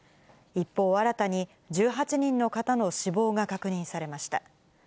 一方、新たに１８人の方の死亡が確認されました。